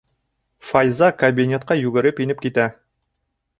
Файза кабинетҡа йүгереп инеп китә.